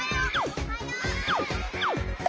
・おはよう！